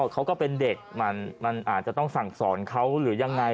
เขาก็เป็นเด็กมันอาจจะต้องสั่งสอนเขาหรือยังไง